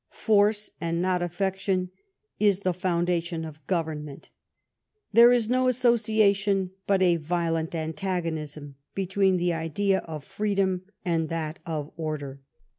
Force, and not affection, is the foundation of government. There is no associa tion, but a violent antagonism, between the idea of freedom and that of order.